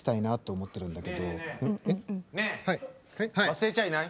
忘れちゃいない？